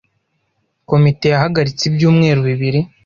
Komite yahagaritse ibyumweru bibiri.